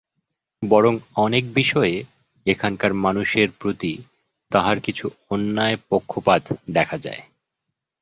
বরং অনেক বিষয়ে এখানকার মানুষের প্রতি তাহার কিছু অন্যায় পক্ষপাত দেখা যায়।